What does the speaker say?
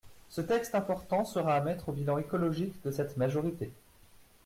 Ce texte important sera à mettre au bilan écologique de cette majorité.